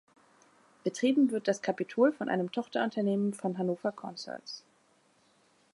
Betrieben wird das Capitol von einem Tochterunternehmen von Hannover Concerts.